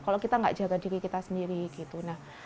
kalau kita nggak jaga diri kita sendiri gitu